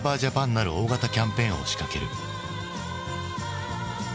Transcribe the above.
なる大型キャンペーンを仕掛ける。